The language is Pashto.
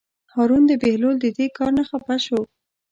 هارون د بهلول د دې کار نه خپه شو.